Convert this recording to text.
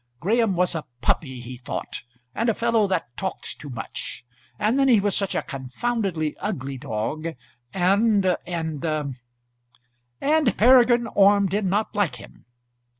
Graham was a puppy, he thought, and a fellow that talked too much; and then he was such a confoundedly ugly dog, and and and Peregrine Orme did not like him.